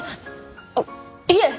あっいえ！